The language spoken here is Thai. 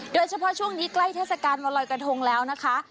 โดยเฉพาะช่วงนี้ใกล้เทศกาลวันลอยกระทงแล้วนะคะ